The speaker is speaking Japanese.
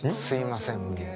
すいません